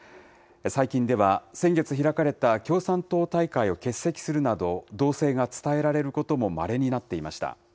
最近では、先月開かれた共産党大会を欠席するなど、動静が伝えられることもまれになっていました。